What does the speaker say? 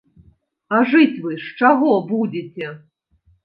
А жыць вы з чаго будзеце?